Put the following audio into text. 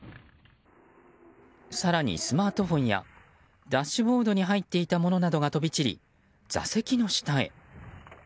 更にスマートフォンやダッシュボードに入っていたものなどが飛び散り座席の下へ。